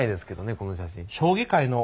この写真。